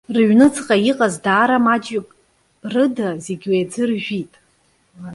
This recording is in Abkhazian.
Рыҩнуҵҟа иҟаз даара маҷҩык рыда, зегьы уи аӡы ржәит.